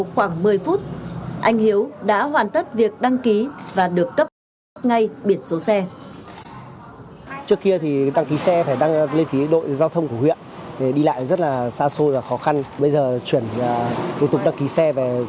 khoảng một mươi phút anh hiếu đã hoàn tất việc đăng ký và được cấp biển số xe